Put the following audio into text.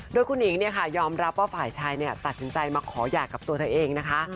ด้วยคุณหญิงเนี่ยค่ะยอมรับว่าฝ่ายชายเนี่ยตัดสินใจมาขออยากับตัวเธอเองนะคะ